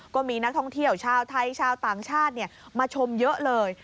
ก็มีนักท่องเที่ยวชาวไทยชาวต่างชาติมาชมเยอะเลย